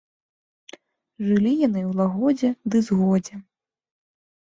Жылі яны ў лагодзе ды згодзе.